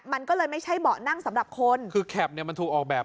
มันก็เลยไม่ใช่เบาะนั่งสำหรับคนคือแคปเนี่ยมันถูกออกแบบ